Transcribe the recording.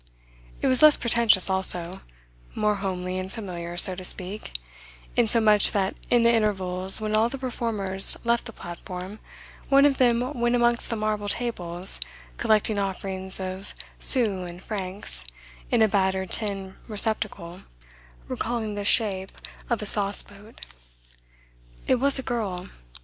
It was less pretentious also, more homely and familiar, so to speak, insomuch that in the intervals when all the performers left the platform one of them went amongst the marble tables collecting offerings of sous and francs in a battered tin receptacle recalling the shape of a sauceboat. It was a girl.